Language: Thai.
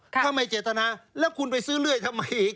ถ้าไม่เจตนาแล้วคุณไปซื้อเรื่อยทำไมอีก